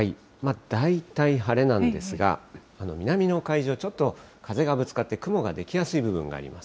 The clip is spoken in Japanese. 大体晴れなんですが、南の海上、ちょっと風がぶつかって、雲が出来やすい部分があります。